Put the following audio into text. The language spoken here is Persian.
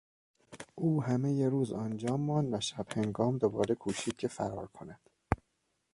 او همهی روز آنجا ماند و شب هنگام دوباره کوشید که فرار کند.